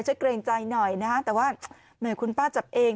ช่วยเกรงใจหน่อยนะแต่ว่าเหมือนคุณป้าจับเอง